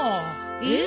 えっ！？